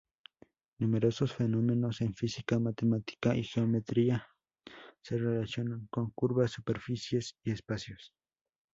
Numerosos fenómenos en física matemática y geometría se relacionan con curvas, superficies y espacios.